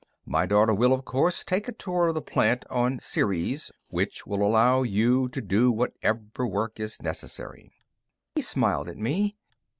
My daughter will, of course, take a tour of the plant on Ceres, which will allow you to do whatever work is necessary." He smiled at me.